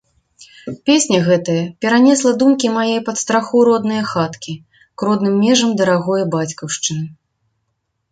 Песня гэтая перанесла думкі мае пад страху роднае хаткі, к родным межам дарагое бацькаўшчыны.